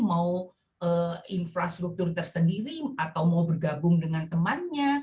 mau infrastruktur tersendiri atau mau bergabung dengan temannya